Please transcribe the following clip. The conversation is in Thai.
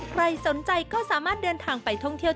ใครสนใจก็สามารถเดินทางไปท่องเที่ยว